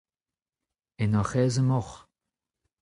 En hoc'h aez emaoc'h ?